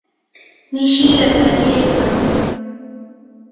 mishii ratakyaykan.